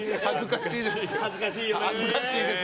恥ずかしい。